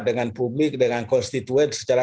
dengan publik dengan konstituen secara